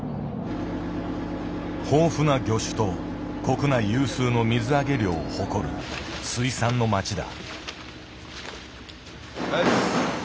豊富な魚種と国内有数の水揚げ量を誇る水産の町だ。